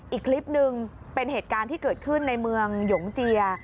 อีกคลิปหนึ่งเป็นเหตุการณ์ที่เกิดขึ้นในเมืองหยงเจีย